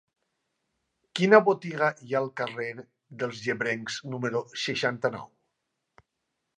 Quina botiga hi ha al carrer dels Llebrencs número seixanta-nou?